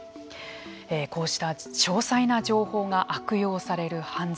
こうした詳細な情報が悪用される犯罪。